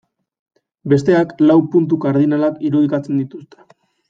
Besteak lau puntu kardinalak irudikatzen dituzte.